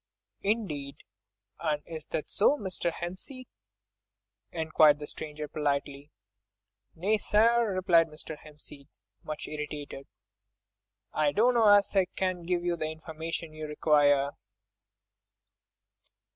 "Indeed, and is that so, Mr. Hempseed?" inquired the stranger politely. "Nay, sir!" replied Mr. Hempseed, much irritated, "I dunno as I can give you the information you require."